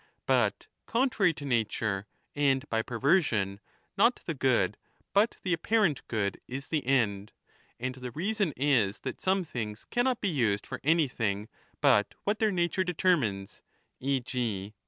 But contrary to nature and by perversion * not the good but the apparent good is the end. And the reason is that some things cannot be used for anything but what their nature determines, e. g.